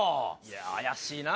怪しいな。